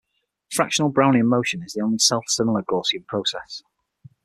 Fractional Brownian motion is the only self-similar Gaussian process.